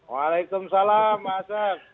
waalaikumsalam pak asep